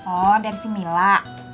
oh dari si mila